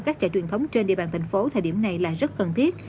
các chợ truyền thống trên địa bàn thành phố thời điểm này là rất cần thiết